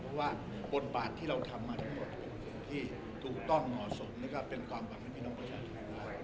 เพราะว่าบทบาทที่เราทำมาทั้งหมดที่ถูกต้องเหมาะสมแล้วก็เป็นความหวังให้พี่น้องประชาชนด้วย